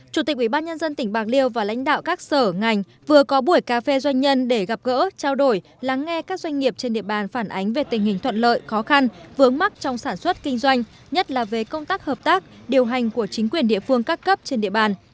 chủ tịch ubnd tỉnh bạc liêu và lãnh đạo các sở ngành vừa có buổi cà phê doanh nhân để gặp gỡ trao đổi lắng nghe các doanh nghiệp trên địa bàn phản ánh về tình hình thuận lợi khó khăn vướng mắc trong sản xuất kinh doanh nhất là về công tác hợp tác điều hành của chính quyền địa phương các cấp trên địa bàn